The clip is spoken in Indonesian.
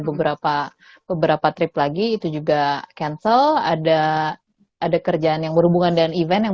beberapa beberapa trip lagi itu juga cancel ada ada kerjaan yang berhubungan dengan event yang